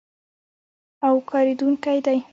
او کارېدونکی دی.